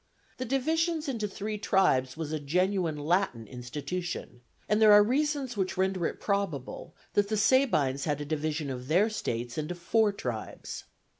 The division into three tribes was a genuine Latin institution; and there are reasons which render it probable that the Sabines had a division of their states into four tribes.